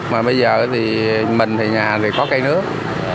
mà bây giờ thì mình thì nhà thì có cây nước